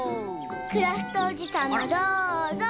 クラフトおじさんもどうぞ！